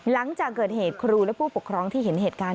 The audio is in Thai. หลังจากเกิดเหตุครูและผู้ปกครองที่เห็นเหตุการณ์